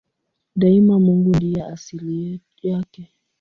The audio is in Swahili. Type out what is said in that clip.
Daima Mungu ndiye asili yake.